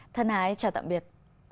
thân hải chào tạm biệt